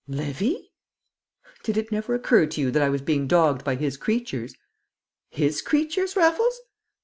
"Levy!" "Did it never occur to you that I was being dogged by his creatures?" "His creatures, Raffles?"